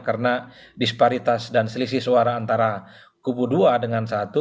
karena disparitas dan selisih suara antara kubu dua dengan satu